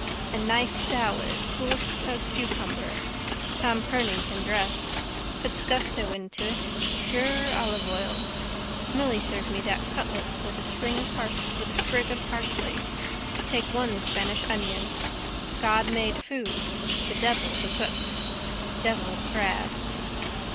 A nice salad, cool as a cucumber, Tom Kernan can dress. Puts gusto into it. Pure olive oil. Milly served me that cutlet with a sprig of parsley. Take one Spanish onion. God made food, the devil the cooks. Devilled crab.